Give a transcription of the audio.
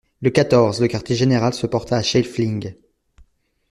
Le quatorze, le quartier-général se porta à Scheifling.